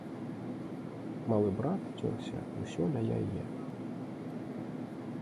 Малы брат цёрся ўсё ля яе.